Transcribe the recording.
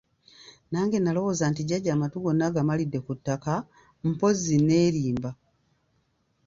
Nange nalowooza nti jjajja amatu gonna agamalidde ku ttaka, mpozzi neerimba.